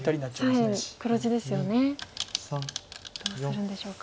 どうするんでしょうか。